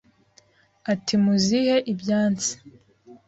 Ati muzihe ibyansi